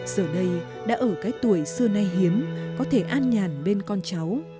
giờ đây đã ở cái tuổi xưa nay hiếm có thể an nhàn bên con cháu